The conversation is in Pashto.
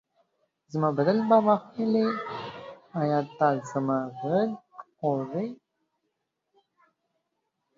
زما بدل به واخلي، ایا ته زما غږ اورې؟